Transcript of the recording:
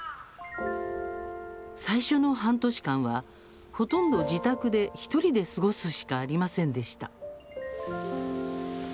最初の半年間はほとんど自宅で１人で過ごすしかありませんでした。